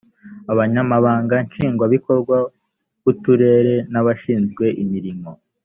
abanyamabanga nshingwabikorwa b’uturere n’abashinzwe imirimo